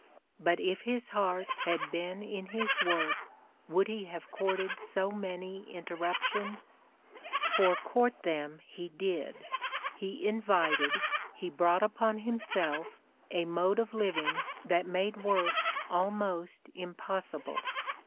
But if his heart had been in his work would he have courted so many interruptions ? For court them he did : he invited, he brought upon himself a mode of living that made work almost impossible.